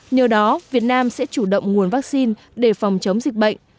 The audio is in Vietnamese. nhờ đó việt nam sẽ chủ động nguồn vaccine để phòng chống dịch bệnh